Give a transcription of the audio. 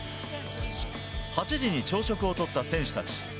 ８時に朝食をとった選手たち。